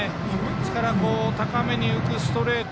ですから、高めに浮くストレート